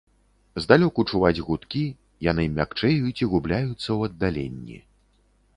Здалёку чуваць гудкі, яны мякчэюць і губляюцца ў аддаленні.